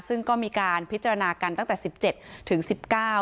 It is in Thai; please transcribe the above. ซึ่งก็มีการพิจารณากันตั้งแต่สิบเจ็ดถึงสิบเก้า